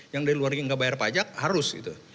yang dari luar negeri nggak bayar pajak harus gitu